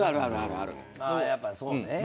ああやっぱそうね。